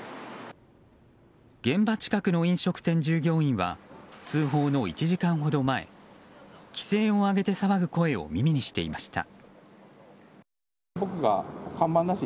現場近くの飲食店従業員は通報の１時間ほど前奇声を上げて騒ぐ声を耳にしていました。